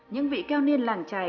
những vị cao niên làng trài